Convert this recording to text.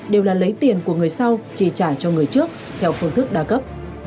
đều là lấy tiền của người sau trì trả cho người trước theo phương thức đa cấp